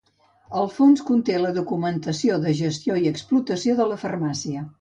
El fons conté la documentació de gestió i explotació de la farmàcia.